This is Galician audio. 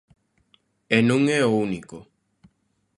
E non é o único.